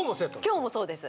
今日もそうです。